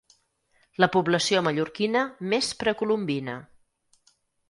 La població mallorquina més precolombina.